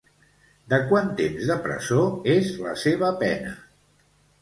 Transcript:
De quant de temps de presó és la seva pena?